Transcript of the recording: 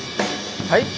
はい？